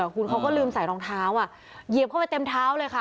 คุณเขาก็ลืมใส่รองเท้าเหยียบเข้าไปเต็มเท้าเลยค่ะ